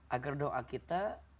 agar doa kita